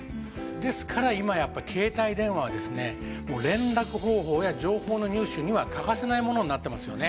ですから今やっぱ携帯電話はですね連絡方法や情報の入手には欠かせないものになってますよね。